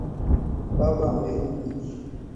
Baba amerudi